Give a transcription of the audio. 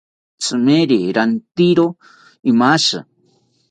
Tzimeri rantizro imashi